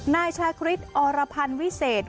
นายชาคริสอรพันธ์วิเศษ